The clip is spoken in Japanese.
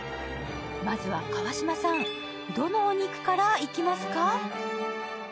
まずは川島さん、どのお肉からいきますか？